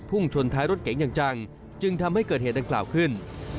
ชนท้ายรถเก๋งอย่างจังจึงทำให้เกิดเหตุดังกล่าวขึ้น